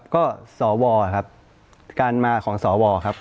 ก็สวครับการมาของสวครับ